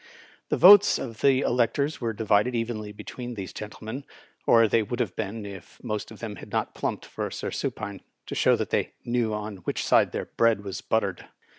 The votes of the electors were divided evenly between these gentlemen, or they would have been if most of them had not plumped for Sir Supiae, to show that they knew on which side their bread was buttered.